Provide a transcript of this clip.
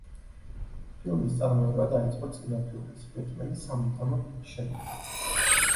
ფილმის წარმოება დაიწყო წინა ფილმის, „ბეტმენი სამუდამოდ“ შემდეგ.